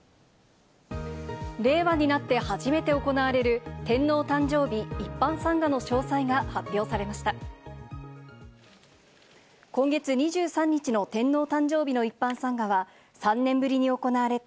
令和になって初めて行われる、天皇誕生日一般参賀の詳細が発表されました。